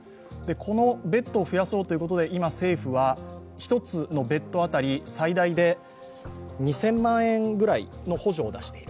このベッドを増やそうということで、今、政府は１つのベッド辺り最大で２０００万円ぐらいの補助を出している。